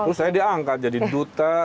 terus saya diangkat jadi duta